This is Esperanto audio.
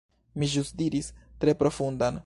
Mi ĵus diris "tre profundan."